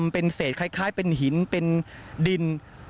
เป็นเศษคล้ายเป็นหินเป็นดิน